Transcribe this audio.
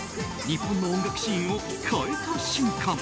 日本の音楽シーンを変えた瞬間。